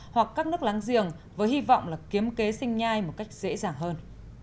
hoặc các nước láng giềng với hy vọng là kiếm kế sinh nhai một cách dễ dàng hơn